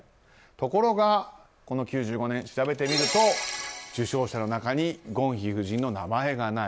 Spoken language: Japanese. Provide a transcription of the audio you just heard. ところがこの９５年調べてみると受賞者の中にゴンヒ夫人の名前がない。